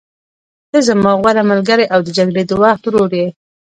ته زما غوره ملګری او د جګړې د وخت ورور یې.